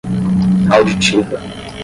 auditiva